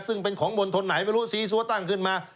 ซึ่งเป็นของมณฑลไหนไม่รู้ซีซัวตั้งขึ้นมา